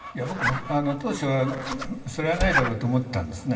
当初はそれはないだろうと思っていたんです。